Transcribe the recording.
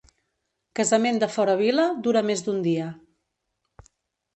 Casament de fora vila dura més d'un dia.